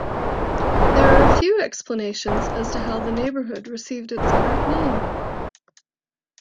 There are a few explanations as to how the neighborhood received its current name.